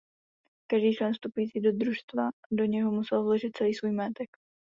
Každý člen vstupující do družstva do něho musel vložit celý svůj majetek.